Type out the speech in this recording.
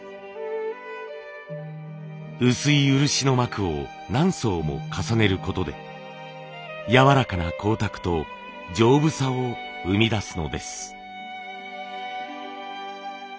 薄い漆の膜を何層も重ねることでやわらかな光沢と丈夫さを生み出すのです。